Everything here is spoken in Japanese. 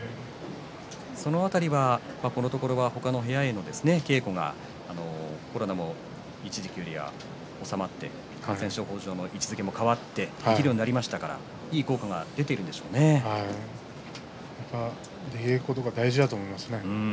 その辺りがこのところは他の部屋への稽古がコロナも一時期よりは収まって感染症法の位置づけも変わっていけるようになりましたから出稽古とか大事だと思いますね。